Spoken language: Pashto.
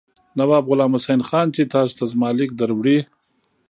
نواب غلام حسین خان چې تاسو ته زما لیک دروړي.